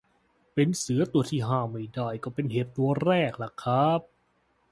เป็นเสือตัวที่ห้าไม่ได้ ก็เป็นเห็บตัวแรกครับ